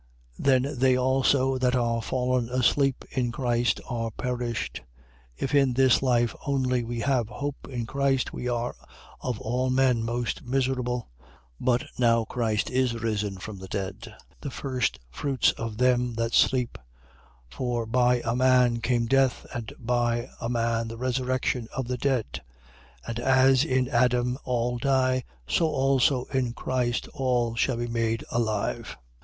15:18. Then they also that are fallen asleep in Christ are perished. 15:19. If in this life only we have hope in Christ, we are of all men most miserable. 15:20. But now Christ is risen from the dead, the firstfruits of them that sleep: 15:21. For by a man came death: and by a man the resurrection of the dead. 15:22. And as in Adam all die, so also in Christ all shall be made alive.